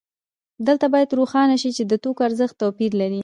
دلته باید روښانه شي چې د توکو ارزښت توپیر لري